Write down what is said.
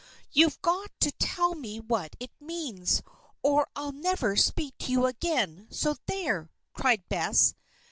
"You've got to tell me what it means, or I'll never speak to you again, so there!" cried Bess.